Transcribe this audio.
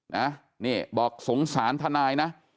นะนี่บอกสงสารทนายนะ